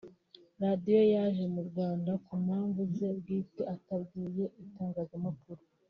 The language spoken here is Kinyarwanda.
Radio yaje mu Rwanda ku mpamvu ze bwite atabwiye itangazamakuru